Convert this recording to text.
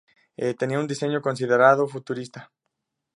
Tenía un diseño considerado futurista.